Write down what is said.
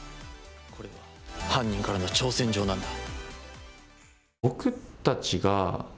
犯人からの挑戦状なんだ。